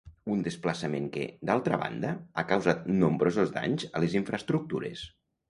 Un desplaçament que, d'altra banda, ha causat nombrosos danys a les infraestructures.